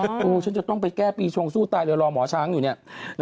ปูฉันจะต้องไปแก้ปีชงสู้ตายเลยรอหมอช้างอยู่เนี่ย